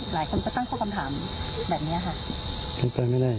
หลายคนก็ตั้งเข้ากันคำถามแบบเนี้ยค่ะไม่ได้ไม่ได้หรออืม